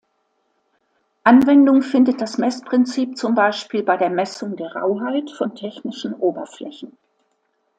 Anwendung findet das Messprinzip zum Beispiel bei der Messung der Rauheit von technischen Oberflächen.